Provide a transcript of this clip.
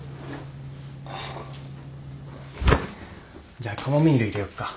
じゃあカモミール入れよっか。